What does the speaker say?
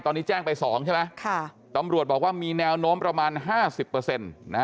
ตอนนี้แจ้งไป๒ใช่ไหมตำรวจบอกว่ามีแนวโน้มประมาณ๕๐นะฮะ